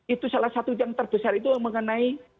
itu salah satu yang terbesar itu mengenai